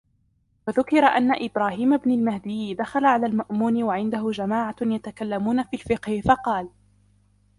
وَذُكِرَ أَنَّ إبْرَاهِيمَ بْنَ الْمَهْدِيِّ دَخَلَ عَلَى الْمَأْمُونِ وَعِنْدَهُ جَمَاعَةٌ يَتَكَلَّمُونَ فِي الْفِقْهِ فَقَالَ